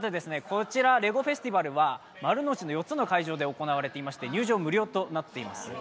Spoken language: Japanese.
こちら、レゴフェスティバルは丸の内の４つの会場で行われていて入場無料となっています